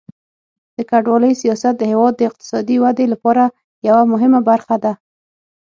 د کډوالۍ سیاست د هیواد د اقتصادي ودې لپاره یوه مهمه برخه ده.